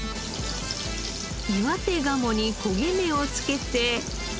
岩手がもに焦げ目をつけて。